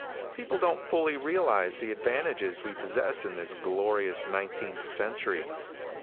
People don't fully realize the advantages we possess in this glorious nineteenth century.